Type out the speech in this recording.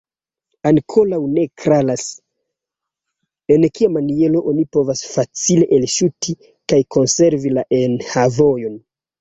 Ankoraŭ ne klaras, en kia maniero oni povos facile elŝuti kaj konservi la enhavojn.